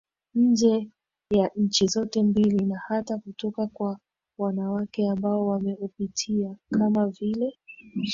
nje ya nchi zote mbili na hata kutoka kwa wanawake ambao wameupitia kama vile